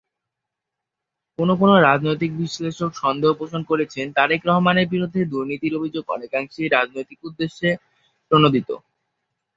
কোন কোন রাজনৈতিক বিশ্লেষক সন্দেহ পোষণ করেছেন তারেক রহমানের বিরুদ্ধে দুর্নীতির অভিযোগ অনেকাংশেই রাজনৈতিক উদ্দেশ্য-প্রণোদিত।